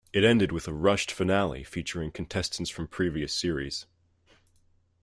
It ended with a rushed finale featuring contestants from previous series.